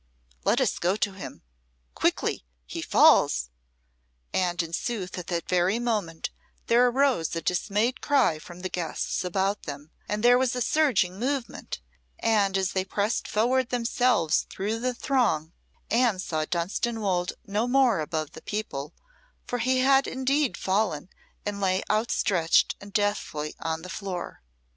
Let us go to him. Quickly! He falls!" And, in sooth, at that very moment there arose a dismayed cry from the guests about them, and there was a surging movement; and as they pressed forward themselves through the throng, Anne saw Dunstanwolde no more above the people, for he had indeed fallen and lay outstretched and deathly on the floor.